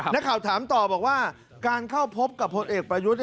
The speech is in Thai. นักข่าวถามต่อบอกว่าการเข้าพบกับพลเอกประยุทธ์